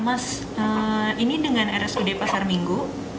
mas ini dengan rsud pasar minggu